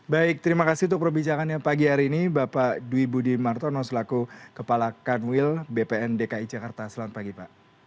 baik terima kasih untuk perbicaraannya pagi hari ini bapak dwi budi martono selaku kepala kanwil bpn dki jakarta selamat pagi pak